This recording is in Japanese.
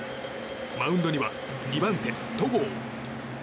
マウンドには２番手、戸郷。